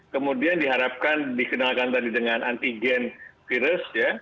kemudian diharapkan dikenalkan tadi dengan antigen virus ya